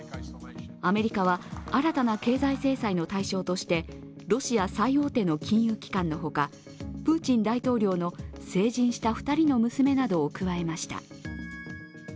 アメリカは、新たな経済制裁の対象としてロシア最大手の金融機関の他、プーチン大統領の成人した２人の娘などを加えました。